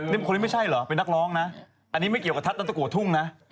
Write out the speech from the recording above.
มันไม่ใช่เหรอนักร้องนะอันนี้ไม่เกี่ยวกับทัศน์ต้องไปก่วงฮุ้งนะ